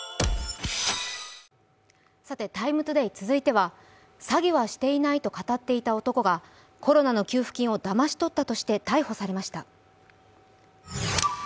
「ＴＩＭＥ，ＴＯＤＡＹ」、続いては詐欺はしていないと語っていた男がコロナの給付金をだまし取ったとして逮捕されました。